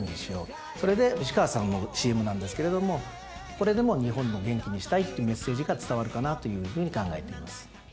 それで西川さんのＣＭなんですけれどもこれでも日本を元気にしたいっていうメッセージが伝わるかなというふうに考えています。